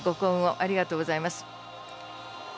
ありがとうございます。